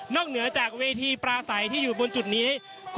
เหนือจากเวทีปลาใสที่อยู่บนจุดนี้